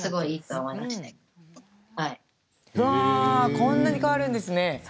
こんなに変わるんですね。